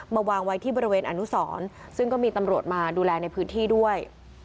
วางไว้ที่บริเวณอนุสรซึ่งก็มีตำรวจมาดูแลในพื้นที่ด้วย